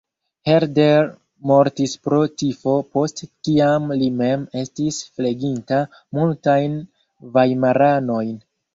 Herder mortis pro tifo post kiam li mem estis fleginta multajn vajmaranojn.